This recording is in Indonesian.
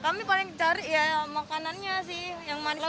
kami paling cari ya makanannya sih yang manis manis